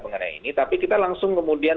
mengenai ini tapi kita langsung kemudian